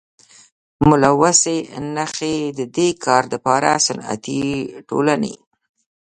ملوثي نشي ددي کار دپاره صنعتي ټولني.